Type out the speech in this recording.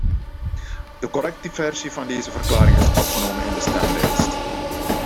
De correcte versie van deze verklaring is opgenomen in de stemlijst.